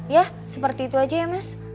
ya seperti itu aja ya mas